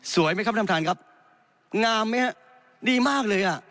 สวยไหมครับท่านครับงามไหมครับดีมากเลยอ่ะ